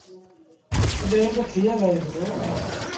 تڏهيݩ با ٿئي وهي دو۔